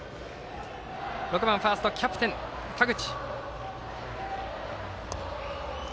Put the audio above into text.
続いて６番ファーストキャプテンの田口。